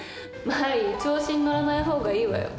マリー調子に乗らない方がいいわよ。